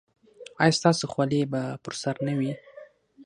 ایا ستاسو خولۍ به پر سر نه وي؟